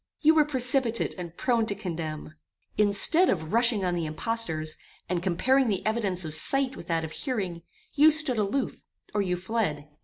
"You were precipitate and prone to condemn. Instead of rushing on the impostors, and comparing the evidence of sight with that of hearing, you stood aloof, or you fled.